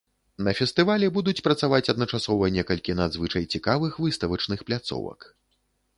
На фестывалі будуць працаваць адначасова некалькі надзвычай цікавых выставачных пляцовак.